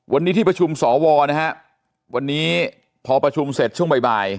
วันนี้ที่ประชุมสวนะฮะวันนี้พอประชุมเสร็จช่วงบ่าย